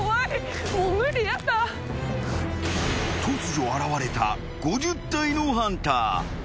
［突如現れた５０体のハンター］